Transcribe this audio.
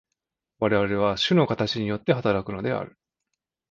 我々は種の形によって働くのである。